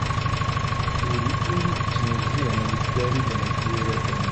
Yella win i yettnezzihen deg Farid n At Yiraten.